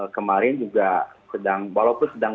kemarin juga sedang walaupun sedang